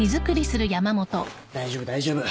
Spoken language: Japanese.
大丈夫大丈夫。